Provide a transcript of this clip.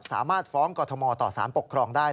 สามารถฟ้องกรทมต่อสารปกครองได้